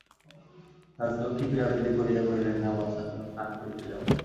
রাজলক্ষ্মী পীড়াপীড়ি করিয়া কহিলেন, না বাছা, তুমি স্নান করিতে যাও।